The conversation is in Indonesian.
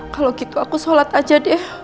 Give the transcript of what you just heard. kalau gitu aku sholat aja deh